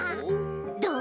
どう？